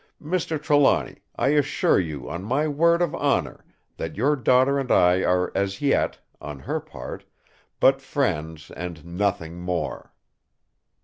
Mr. Trelawny, I assure you on my word of honour that your daughter and I are as yet, on her part, but friends and nothing more!"